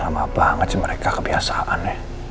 sama banget sih mereka kebiasaan ya